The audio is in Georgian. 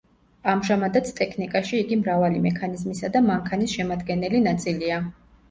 ამჟამადაც ტექნიკაში იგი მრავალი მექანიზმისა და მანქანის შემადგენელი ნაწილია.